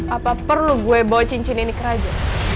apa perlu gue bawa cincin ini ke raja